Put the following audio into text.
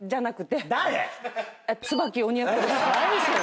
誰⁉何それ⁉